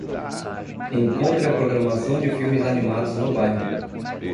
Encontre a programação de filmes animados no bairro.